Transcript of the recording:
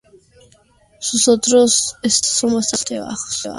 Sus otros stats son bastante bajos.